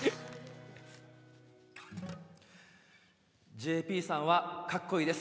ＪＰさんはかっこいいです。